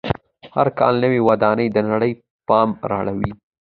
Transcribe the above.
هر کال نوې ودانۍ د نړۍ پام را اړوي.